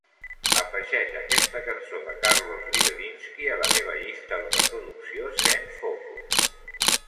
Afegeix aquesta cançó de Carlos Libedinsky a la meva llista de reproducció "zen focus".